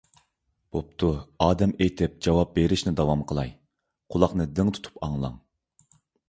بوپتۇ ئادەم ئېتىپ جاۋاب بېرىشنى داۋام قىلاي. قۇلاقنى دىڭ تۇتۇپ ئاڭلاڭ: